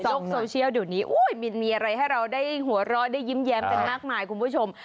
โซเชียลเดี๋ยวนี้บินมีอะไรให้เราได้หัวเราะได้ยิ้มแย้มกันมากมายคุณผู้ชม